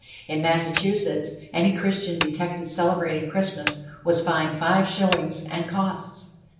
In Massachusetts, any Christian detected celebrating Christmas was fined five shillings and costs.